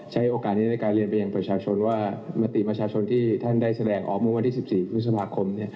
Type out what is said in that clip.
ใช้โอกาสนี้ในการเรียนไปยังประชาชนว่ามติประชาชนที่ท่านได้แสดงออกเมื่อวันที่๑๔พฤษภาคม